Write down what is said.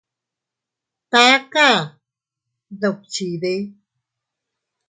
¿Taka dukchide?